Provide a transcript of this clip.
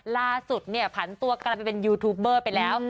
ล่าสุดเนี่ยผันตัวกลับไปเป็นยูทูปเบอร์ไปแล้ว